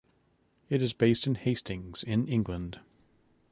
It is based in Hastings in England.